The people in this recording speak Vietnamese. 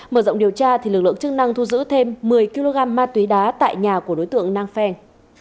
mở rộng điều tra thì lực lượng chức năng thu giữ thêm một mươi kg ma tuy đá tại nhà của đối tượng nang pheng